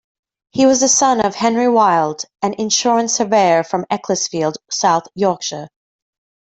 He was the son of Henry Wilde, an insurance surveyor from Ecclesfield, South Yorkshire.